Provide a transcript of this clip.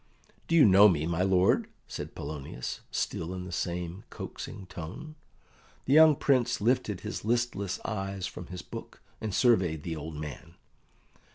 "Do you know me, my lord?" said Polonius, still in the same coaxing tone. The young Prince lifted his listless eyes from his book and surveyed the old man.